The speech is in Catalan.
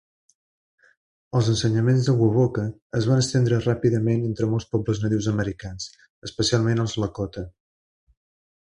Els ensenyaments de Wovoka es van estendre ràpidament entre molts pobles nadius americans, especialment els Lakota.